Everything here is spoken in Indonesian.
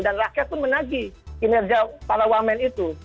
dan rakyat itu menagi kinerja para wamen itu